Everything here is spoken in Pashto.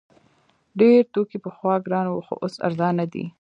ډیر توکي پخوا ګران وو خو اوس ارزانه دي.